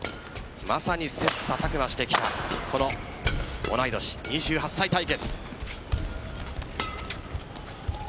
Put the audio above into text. まさに切磋琢磨してきたこの同い年、２８歳対決。